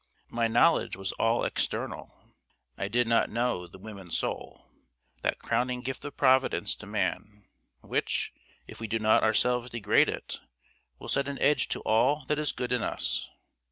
My knowledge was all external. I did not know the woman soul, that crowning gift of Providence to man, which, if we do not ourselves degrade it, will set an edge to all that is good in us.